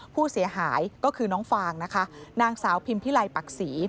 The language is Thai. ผู้เสียหายก็คือน้องฟางนะคะนางสาวพิมพิไลปักศรี